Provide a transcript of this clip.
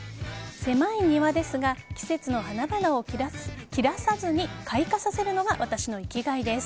狭い庭ですが季節の花々を切らさずに開花させるのが私の生きがいです。